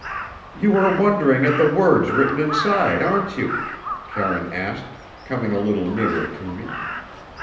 "You are wondering at the words written inside, aren't you?" Karine asked, coming a little nearer to me.